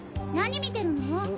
何見てるの？